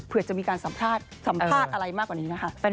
เพื่อจะมีการสัมภาษณ์สัมภาษณ์อะไรมากกว่านี้นะคะ